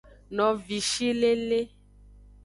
Novishilele.